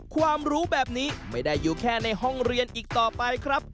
ความรู้แบบนี้ไม่ได้อยู่แค่ในห้องเรียนอีกต่อไปครับ